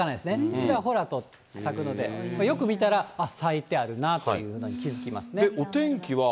ちらほらと咲くので、よく見たら咲いてあるなと気付きますね。